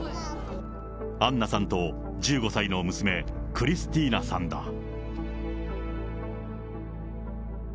アンナさんと１５歳の娘、クリスティーナさんだ。